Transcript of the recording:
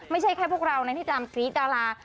ไม่ใช่แค่พวกเรานะที่ตามกรี๊ดดารา